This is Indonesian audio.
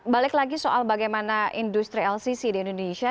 balik lagi soal bagaimana industri lcc di indonesia